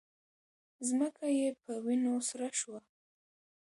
ځمکه یې په وینو سره شوه